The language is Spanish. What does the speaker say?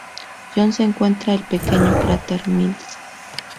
John se encuentra el pequeño cráter Mills.